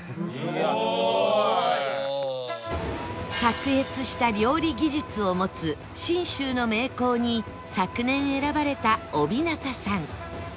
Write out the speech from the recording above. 卓越した料理技術を持つ信州の名工に昨年選ばれた大日方さん